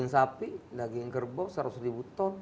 sapi daging kerbau seratus ribu ton